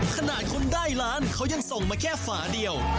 ขนาดคนได้ล้านเขายังส่งมาแค่ฝาเดียว